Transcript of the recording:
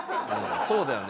そうだよね。